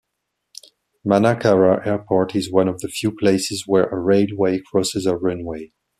Manakara Airport is one of the few places where a railway crosses a runway.